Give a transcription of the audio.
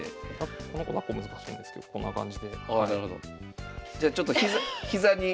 この子だっこ難しいんですけどこんな感じで。